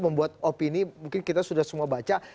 membuat opini mungkin kita sudah semua baca